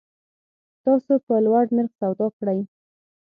تاسو په لوړ نرخ سودا کړی